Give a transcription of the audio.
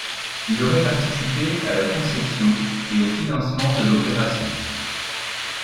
Il aurait participé à la conception et au financement de l'opération.